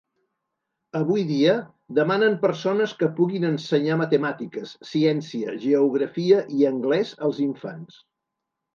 Avui dia, demanen persones que puguin ensenyar matemàtiques, ciència, geografia i anglès als infants.